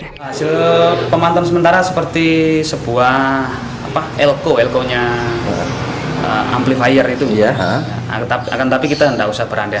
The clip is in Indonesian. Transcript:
hasil pemantauan sementara seperti sebuah elko elko nya amplifier itu